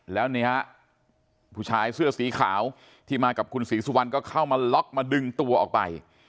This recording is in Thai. แล้วนี่ฮะผู้ชายเสื้อสีขาวที่มากับคุณศรีสุวรรณก็เข้ามาล็อกมาดึงตัวออกไป